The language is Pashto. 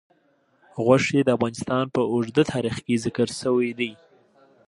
غوښې د افغانستان په اوږده تاریخ کې ذکر شوی دی.